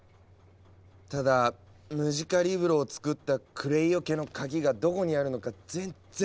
ただムジカリブロをつくったクレイオ家の鍵がどこにあるのか全然分からない。